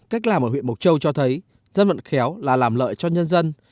cách làm ở huyện mộc châu cho thấy dân vận khéo là làm lợi cho nhân dân